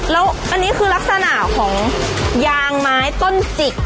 แล้วอันนี้คือลักษณะของยางไม้ต้นจิก